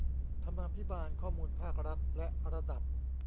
ธรรมาภิบาลข้อมูลภาครัฐ และระดับ